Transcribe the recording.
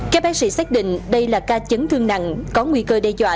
các bác sĩ xác định đây là ca chấn thương nặng có nguy cơ đe dọa